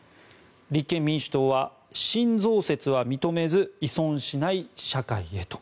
立憲民主党は、新増設は認めず依存しない社会へと。